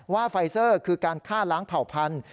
ไฟเซอร์คือการฆ่าล้างเผ่าพันธุ